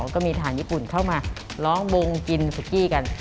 ก็มีทหารญี่ปุ่นเข้ามาล้อมวงกินสุกี้กัน